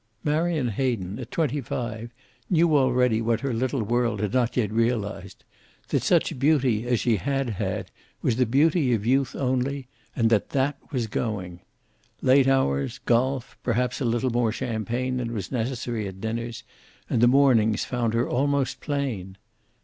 Marion Hayden, at twenty five, knew already what her little world had not yet realized, that such beauty as she had had was the beauty of youth only, and that that was going. Late hours, golf, perhaps a little more champagne than was necessary at dinners, and the mornings found her almost plain.